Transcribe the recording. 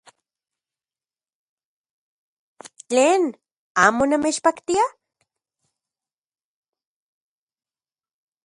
¡Tlen! ¿Amo namechpaktia?